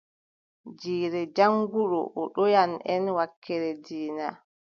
Jiire jaŋnguɗo, o ɗowan en wakkeere diina.